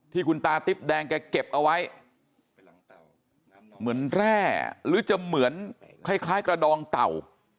ที่คุณตาติ๊บแดงแกเก็บเอาไว้เหมือนแร่หรือจะเหมือนคล้ายกระดองเต่า